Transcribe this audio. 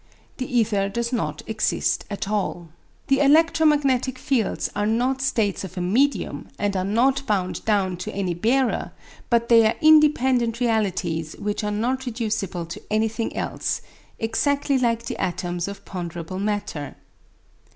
The ether does not exist at all. The electromagnetic fields are not states of a medium, and are not bound down to any bearer, but they are independent realities which are not reducible to anything else, exactly like the atoms of ponderable matter.